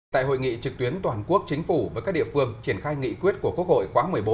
tại hội nghị trực tuyến toàn quốc chính phủ với các địa phương triển khai nghị quyết của quốc hội quá một mươi bốn